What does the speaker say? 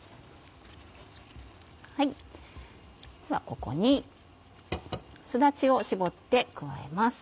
ここにすだちを搾って加えます。